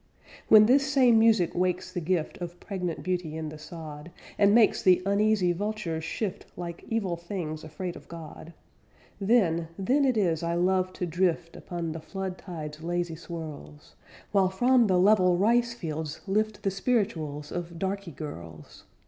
When this same music wakes the gift Of pregnant beauty in the sod, And makes the uneasy vultures shift Like evil things afraid of God, Then, then it is I love to drift Upon the flood tide's lazy swirls, While from the level rice fields lift The spiritu'ls of darky girls.